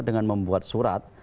dengan membuat surat